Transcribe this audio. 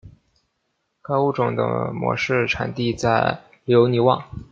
该物种的模式产地在留尼汪。